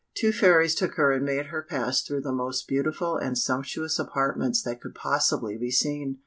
Two fairies took her and made her pass through the most beautiful and sumptuous apartments that could possibly be seen.